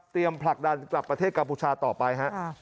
เตรียมผลักดันกลับประเทศกรรมปุชชาต่อไป